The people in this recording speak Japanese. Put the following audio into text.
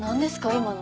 今の。